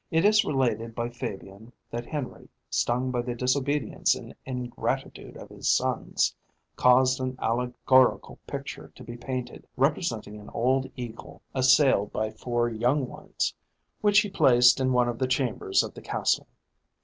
It is related by Fabian that Henry, stung by the disobedience and ingratitude of his sons, caused an allegorical picture to be painted, representing an old eagle assailed by four young ones, which he placed in one of the chambers of the castle.